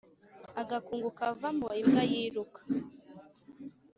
Agakungu kavamo imbwa yiruka.